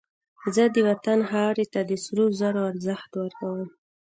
زه د وطن خاورې ته د سرو زرو ارزښت ورکوم